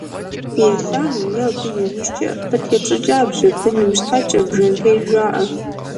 Ещанэу е абы и ужькӏэ къытепщӏыкӏа бжьэ быным щхьэкӏэ «бжьэнтеж» жаӏэ.